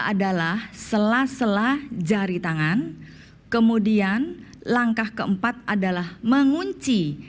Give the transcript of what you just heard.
adalah selah selah jari tangan kemudian langkah keempat adalah menutup tangan dan kemudian menutup tangan